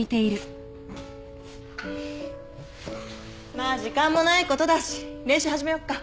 まあ時間もないことだし練習始めよっか？